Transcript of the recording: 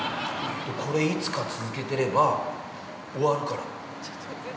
これいつか、続けてれば終わるからと。